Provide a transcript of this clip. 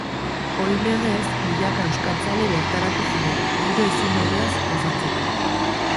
Ohi legez, milaka euskaltzale bertaratu ziren, giro ezin hobeaz gozatzeko.